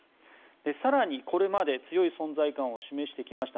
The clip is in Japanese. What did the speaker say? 更にこれまで強い存在感を示してきました